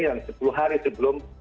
yang sepuluh hari sebelum